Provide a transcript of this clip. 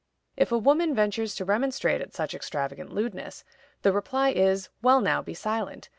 If a woman ventures to remonstrate at such extravagant lewdness, the reply is, "Well, now, be silent.